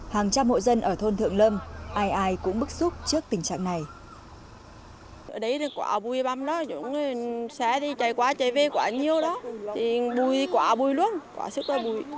hàng trăm hộ dân ở thôn thượng lâm ai ai cũng bức xúc trước tình trạng này